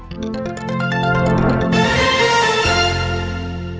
สวัสดีครับ